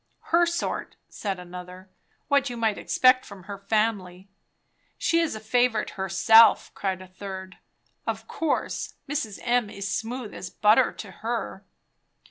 "Her sort," said another, "What you might expect from her family." "She is a favourite herself," cried a third. "Of course, Mrs. M. is smooth as butter to her."